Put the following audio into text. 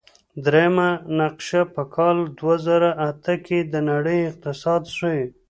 دریمه نقشه په کال دوه زره اته کې د نړۍ اقتصاد ښيي.